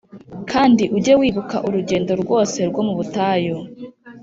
“Kandi ujye wibuka urugendo rwose rwo mu butayu